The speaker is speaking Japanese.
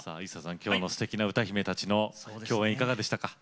きょうのすてきな歌姫たちの共演いかがでしたか？